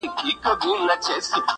نن دي خیال راته یو ښکلی انعام راوړ،